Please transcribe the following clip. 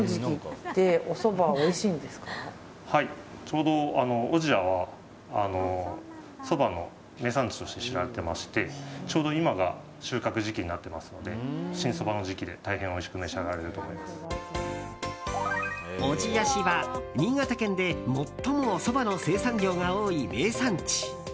ちょうど小千谷はそばの名産地として知られていましてちょうど今が収穫時期になってますので新そばの時期で大変おいしく小千谷市は新潟県で最もそばの生産量が多い名産地。